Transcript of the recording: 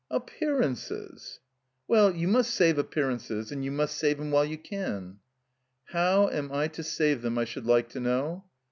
"Appearances?" "Well, you must save appearances, and you must save 'em while you can." "How am I to save them, I should like to know?"